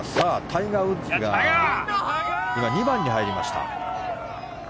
タイガー・ウッズが２番に入りました。